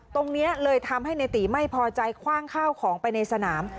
ตรงนี้เลยทำให้ในตีไม่พอใจคว่างข้าวของไปในสนาม